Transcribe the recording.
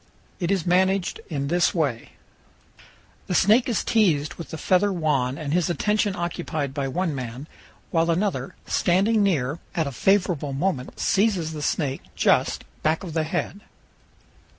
It is managed in this way: The snake is teased with the feather wand and his attention occupied by one man, while another, standing near, at a favorable moment seizes the snake just, back of the head.